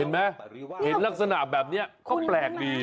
เห็นลักษณะแบบนี้ก็แปลกดี